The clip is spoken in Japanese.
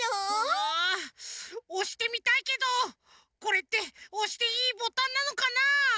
あっおしてみたいけどこれっておしていいボタンなのかな？